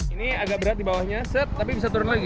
ini agak berat di bawahnya set tapi bisa turun lagi